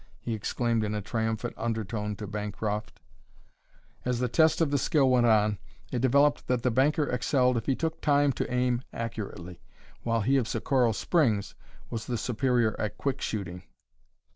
he exclaimed in a triumphant undertone to Bancroft. As the test of skill went on, it developed that the banker excelled if he took time to aim accurately, while he of Socorro Springs was the superior at quick shooting.